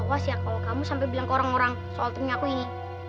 awas ya kalau kamu sampai bilang ke orang orang soal temen aku ini